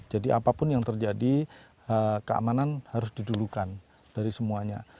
jadi apapun yang terjadi keamanan harus didulukan dari semuanya